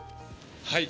はい。